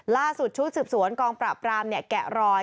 ล่าสุดชุดสืบสวนกองประปรามเนี่ยแกะรอย